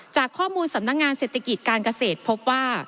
จากข้อมูลสำนักงานเศรษฐกิจการเกษตรพบว่า